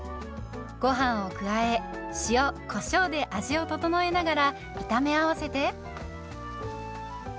ごはんを加え塩こしょうで味を調えながら炒め合わせて。